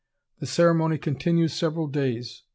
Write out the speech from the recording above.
The ceremony continues several days.